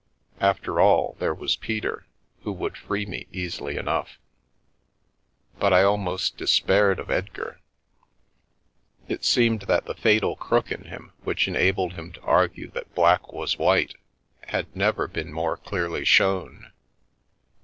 After all, there was Peter, who would free me easily enough. But I almost despaired of Edgar. It seemed that the fatal crook in him which enabled him to argue that black was white, had never been more clearly shown.